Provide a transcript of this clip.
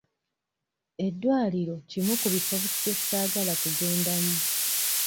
Eddwaliro kimu ku bifo kye saagala kugendamu.